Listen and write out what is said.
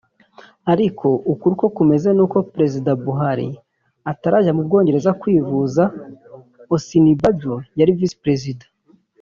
Ariko ukuri uko kumeze n’uko Perezida Buhari atarajya mu Bwongereza kwivuza Osinibajo yari Visi Perezida